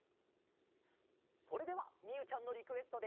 それではみゆちゃんのリクエストで。